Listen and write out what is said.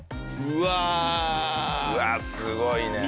うわっすごいね。